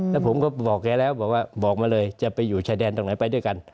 แล้วผมก็บอกแกแล้วบอกว่าบอกมาเลยจะไปอยู่ชายแดนตรงไหนไปด้วยกัน